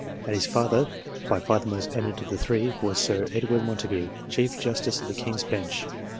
and his father by far the most eminent of the three was Sir Edward Montagu, Chief Justice of the King's Bench.